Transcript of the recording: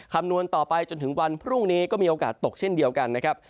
คำนวณต่อไปจนถึงวันพรุ่งนี้ก็มีโอกาสตกเช่นเดียวกันนะครับ